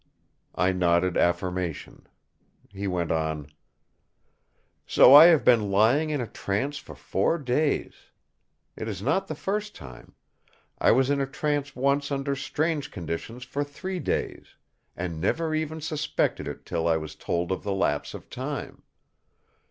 I nodded affirmation; he went on: "So I have been lying in a trance for four days. It is not the first time. I was in a trance once under strange conditions for three days; and never even suspected it till I was told of the lapse of time.